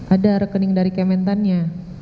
ada rekening dari kementannya